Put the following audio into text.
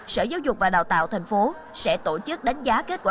sở giáo dục và đào tạo thành phố sẽ tổ chức đánh giá kết quả